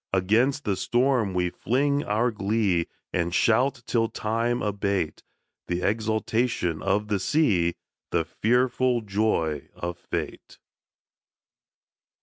Against the storm we fling our glee And shout, till Time abate The exultation of the sea, The fearful joy of Fate.